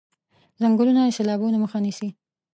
ځنګلونه د سېلابونو مخه نيسي.